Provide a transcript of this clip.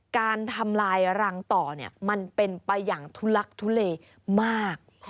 การทำลายรังต่อมันเป็นประหยังทุลักษณ์ทุเลมาก